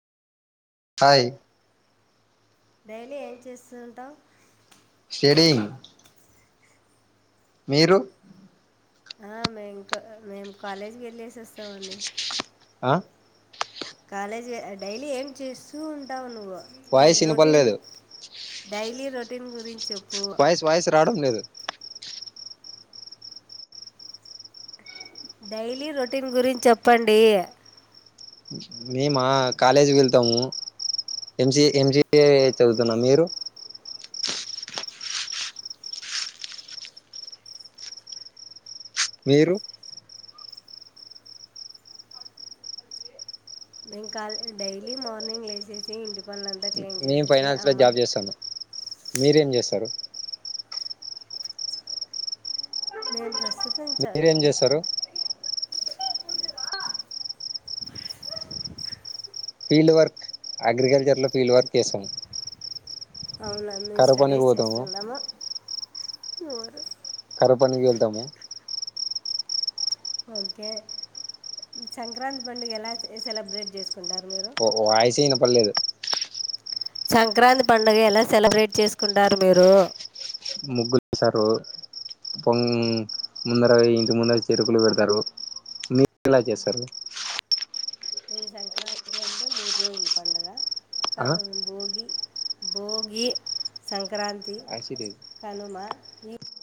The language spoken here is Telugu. హాయ్ డైలీ ఏం చేస్తుంటావ్ షేడింగ్ మీరు ఆ మేంకా మేము కాలేజీకి వెళ్ళేసి వస్తామండి ఆ కాలేజ్ పోయ్ డైలీ ఏం చేస్తూ ఉంటావు నువ్వు నీ వాయిస్ రోటీన్ వినపడలేదు డైలీ రో దీన్ గురించి చెప్ప్ వాయిస్ వాయిస్ రావడం లేదు డైలీ రొటీన్ గురించి చెప్పండి మేమా కాలేజీ కి వెళ్తాము, ఎంసీ ఎంసిఏ చదువుతున్నా మీరు మీరు నేను కాల్ డైలీ మార్నింగ్ లేసేసి ఇంటిపనింత మేము ఫైనాన్స్లో జాబ్ చేస్తాము. మీరేం చేస్తారు మేల్ డ్రస్ మీరేం చేస్తారు ఫీల్డ్ వర్క్ అగ్రికల్చర్ లో ఫీల్డ్ వర్క్ చేస్తామ్ అవును అండీ మేము స్టడీస్ చేస్తున్నాము. మోరల్ కరువు పనికి వెళ్తాము. ఓకే సంక్రాంతి పండుగ ఎలా సే సెలబ్రేట్ చేసుకో పో వాయిస్యే వినపడలేదు సంక్రాంతి పండుగ ఎలా సెలబ్రేట్ చేసుకుంటారు మీరు ముగ్గులు వేస్తారు, పొంగ ముందర ఇంటి ముందర చెరుకులు పెడతారు మీరేలా చేస్తారు. నేను సంక్రాంతి అంటే మూడు రోజుల పండుగ క ఆ భోగి భోగి సం సంక్రాంతి వాయిస్ లేదు కనుమా ఈ